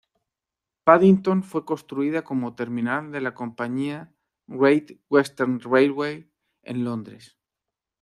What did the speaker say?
Paddington fue construida como terminal de la compañía "Great Western Railway" en Londres.